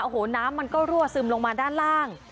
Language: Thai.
โอ้โหน้ำมันก็รั่วซึมลงมาด้านล่าง